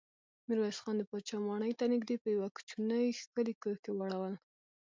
ميرويس خان د پاچا ماڼۍ ته نږدې په يوه کوچيني ښکلي کور کې واړول.